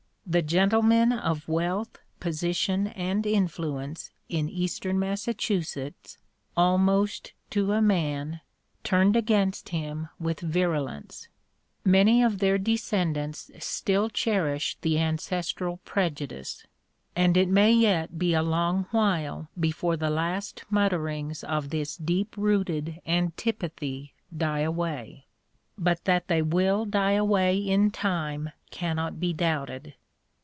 The gentlemen of wealth, position, and influence in Eastern Massachusetts, almost to a man, turned against him with virulence; many of their descendants still cherish the ancestral prejudice; and it may yet be a long while before the last mutterings of this deep rooted antipathy die away. But that they will die away in time cannot be doubted.